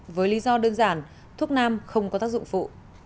với lý do đơn giản thuốc nam không có tác dụng phụ